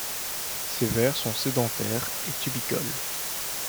Ces vers sont sédentaires et tubicoles.